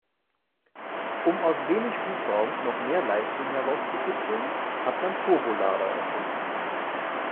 Um aus wenig Hubraum noch mehr Leistung herauszukitzeln, hat man Turbolader erfunden.